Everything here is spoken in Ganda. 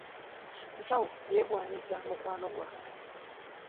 Musawo yegwanyoza mukwano gwange.